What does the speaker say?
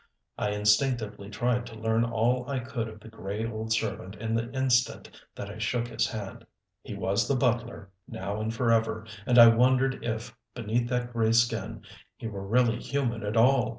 I instinctively tried to learn all I could of the gray old servant in the instant that I shook his hand. He was the butler, now and forever, and I wondered if, beneath that gray skin, he were really human at all.